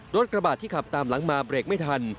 กระบาดที่ขับตามหลังมาเบรกไม่ทัน